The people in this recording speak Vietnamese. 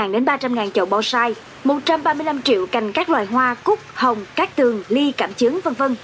hai trăm năm mươi đến ba trăm linh chậu bò sai một trăm ba mươi năm triệu cành các loài hoa cúc hồng cát tường ly cạm chứng v v